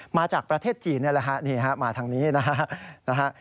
มาจากประเทศจีนนี่แหละฮะนี่ฮะมาทางนี้นะฮะ